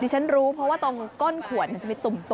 ฉันรู้เพราะว่าตรงก้นขวดมันจะมีตุ่ม